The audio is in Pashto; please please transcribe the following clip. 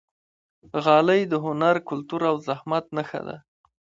غالۍ د هنر، کلتور او زحمت نښه ده.